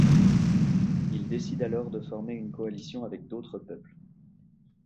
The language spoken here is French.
Ils décident alors de former une coalition avec d'autres peuples.